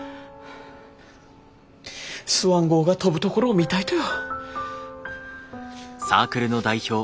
スワン号が飛ぶところを見たいとよ。